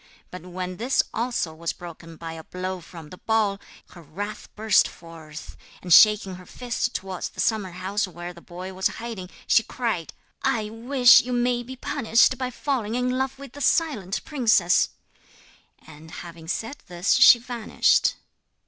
But when this also was broken by a blow from the ball, her wrath burst forth, and shaking her fist towards the summer house where the boy was hiding, she cried: 'I wish you may be punished by falling in love with the silent princess.' And having said this she vanished.